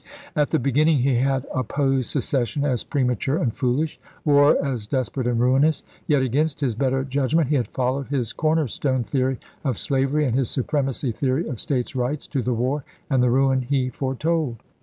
At the beginning he had opposed secession as premature and foolish, war as desper ate and ruinous ; yet, against his better judgment, he had followed his " corner stone " theory of slav ery and his " supremacy " theory of States rights to the war and the ruin he foretold.